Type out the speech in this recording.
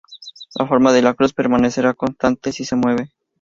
La forma de la cruz permanecerá constando si se mueve.